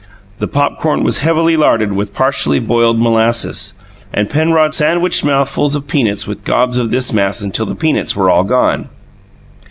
The popcorn was heavily larded with partially boiled molasses, and Penrod sandwiched mouthfuls of peanuts with gobs of this mass until the peanuts were all gone.